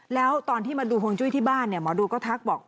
แล้วตอนที่มาดูฮวงจุ้ยที่บ้านเนี่ยหมอดูก็ทักบอก